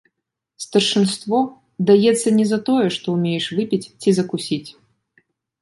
Старшынство даецца не за тое, што ўмееш выпіць ці закусіць.